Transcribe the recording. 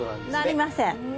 なりません。